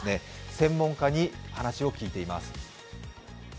専門家に話を聞いています。